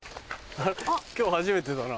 あっ今日初めてだな。